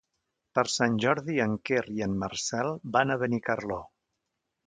Per Sant Jordi en Quer i en Marcel van a Benicarló.